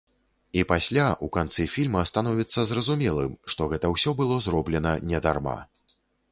І пасля, у канцы фільма, становіцца зразумелым, што гэта ўсё было зроблена не дарма.